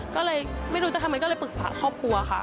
ก็เลยไม่รู้จะทำไมก็เลยปรึกษาครอบครัวค่ะ